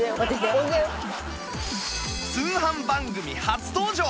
通販番組初登場！